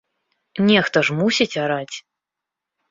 Нехта ж мусіць араць.